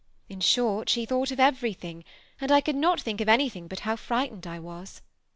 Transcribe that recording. In short, she thought of everything, and I could not think of any thing but how frightaied I was."